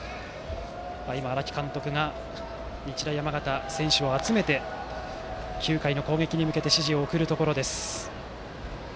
今、荒木監督が日大山形の選手を集めて９回の攻撃に向けて指示を送るところです。